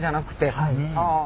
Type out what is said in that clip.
はい。